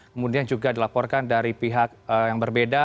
kemudian juga dilaporkan dari pihak yang berbeda